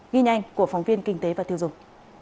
ghi nhanh của phóng viên kinh tế và tiêu dùng